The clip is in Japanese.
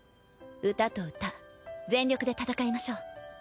歌と歌全力で戦いましょう。